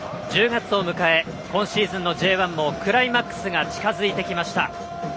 １０月を迎え今シーズンのＪ１もクライマックスが近づいてきました。